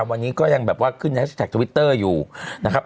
วันนี้ก็ยังแบบว่าขึ้นแฮชแท็กทวิตเตอร์อยู่นะครับ